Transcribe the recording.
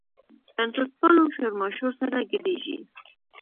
بنسټپالو شورماشور سره ګډېږي.